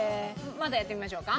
まだやってみましょうか。